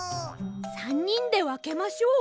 ３にんでわけましょう。